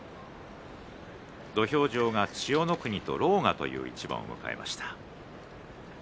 土俵上、千代の国に狼雅という一番を迎えました。